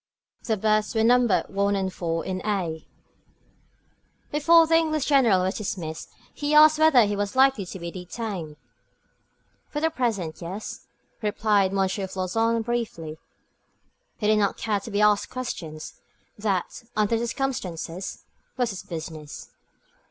Their berths were numbered 1 and 4 in a. Before the English General was dismissed, he asked whether he was likely to be detained. "For the present, yes," replied M. Floçon, briefly. He did not care to be asked questions. That, under the circumstances, was his business.